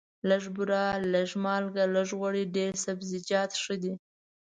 لږه بوره، لږه مالګه، لږ غوړي، ډېر سبزیجات ښه دي.